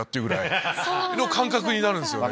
感覚になるんですよね。